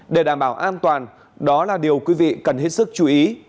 để đảm bảo an toàn đó là điều quý vị cần hết sức chú ý